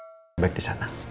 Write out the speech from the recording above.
jangan berpikir baik di sana